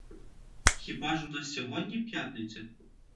Хіба ж у нас сьогодні п'ятниця?